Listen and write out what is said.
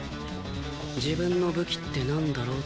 「自分の武器ってなんだろう？」